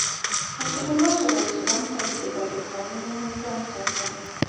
رسول الله ﷺ تل د بدو کارونو نه ځان ساته.